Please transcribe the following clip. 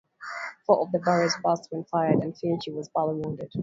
Four of the barrels burst when fired and Fieschi was badly wounded.